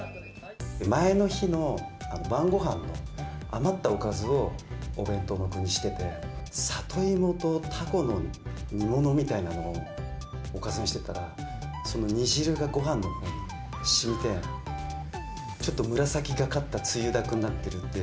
前の日の晩ごはんの余ったおかずをお弁当の具にしてて、里芋とタコの煮物みたいなものをおかずにしてたら、その煮汁がごはんのほうにしみて、ちょっと紫がかったつゆだくになってるっていう。